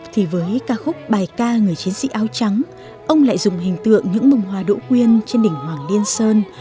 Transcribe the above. thì với ca khúc bài ca người chiến sĩ áo trắng ông lại dùng hình tượng những bông hoa đỗ quyên trên đỉnh hoàng liên sơn